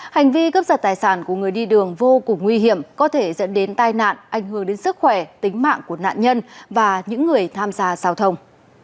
hành vi cướp giật tài sản của người đi đường vô cùng nguy hiểm có thể dẫn đến tai nạn ảnh hưởng đến sức khỏe tính mạng của nạn nhân và những người tham gia giao thông